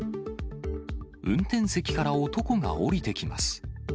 運転席から男が降りてきます。